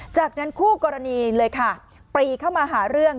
จากนั้นคู่กรณีเลยค่ะปรีเข้ามาหาเรื่อง